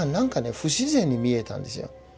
不自然に見えたんですよ。